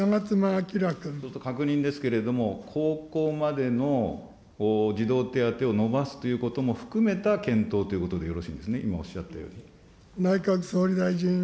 ちょっと確認ですけれども、高校までの児童手当をのばすということも含めた検討ということでよろしいんですね、今おっしゃったように。